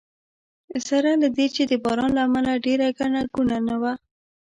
سره له دې چې د باران له امله ډېره ګڼه ګوڼه نه وه.